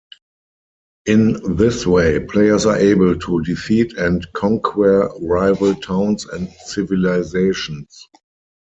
In this way, players are able to defeat and conquer rival towns and civilizations.